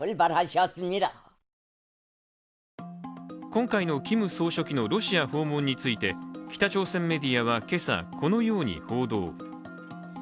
今回のキム総書記のロシア訪問について北朝鮮メディアは今朝、このように報道。